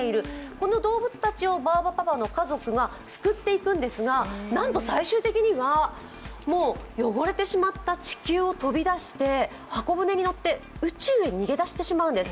この動物たちをバーバパパの家族が救っていくんですが、なんと最終的には、汚れてしまった地球を飛び出してはこぶねにのって、宇宙へ逃げ出してしまうんです。